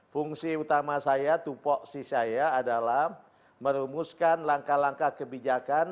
fungsi utama saya tupoksi saya adalah merumuskan langkah langkah kebijakan